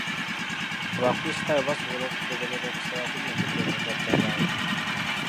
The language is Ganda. Abakrisitaayo basobola okugoberera okusaba ku mikutu emigattabantu.